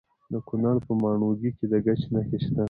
د کونړ په ماڼوګي کې د ګچ نښې شته.